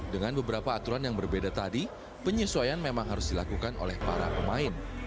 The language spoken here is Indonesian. dengan beberapa aturan yang berbeda tadi penyesuaian memang harus dilakukan oleh para pemain